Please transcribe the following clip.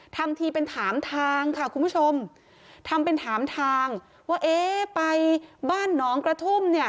ทำทีเป็นถามทางค่ะคุณผู้ชมทำเป็นถามทางว่าเอ๊ะไปบ้านหนองกระทุ่มเนี่ย